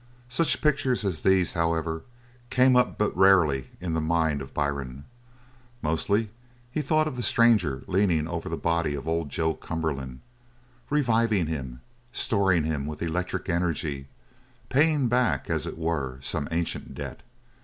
Such pictures as these, however, came up but rarely in the mind of Byrne. Mostly he thought of the stranger leaning over the body of old Joe Cumberland, reviving him, storing him with electric energy, paying back, as it were, some ancient debt.